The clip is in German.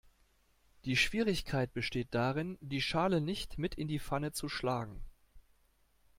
Die Schwierigkeit besteht darin, die Schale nicht mit in die Pfanne zu schlagen.